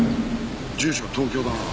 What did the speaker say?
住所は東京だな。